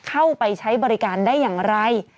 เข้าไปใช้บริการได้อย่างไร